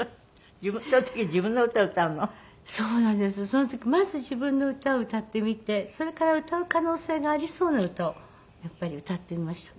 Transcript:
その時まず自分の歌を歌ってみてそれから歌う可能性がありそうな歌をやっぱり歌ってみました。